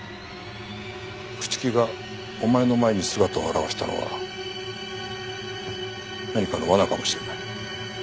朽木がお前の前に姿を現したのは何かの罠かもしれない。